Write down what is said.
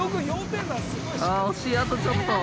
◆惜しい、あとちょっと。